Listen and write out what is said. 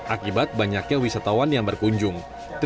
akibat banyaknya wisatawan yang berkunjung